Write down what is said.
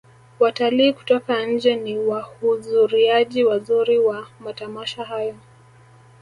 watalii kutoka nje ni wahuzuriaji wazuri wa matamasha hayo